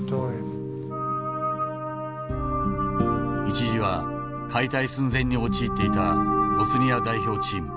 一時は解体寸前に陥っていたボスニア代表チーム。